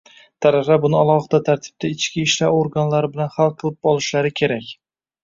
taraflar buni alohida tartibda, ichki ishlar organlari bilan hal qilib olishlari kerak.